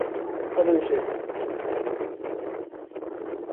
এছাড়া footballer Lionel Messi Bollywood অভিনেতা অমিতাভ বচ্চনের নাম।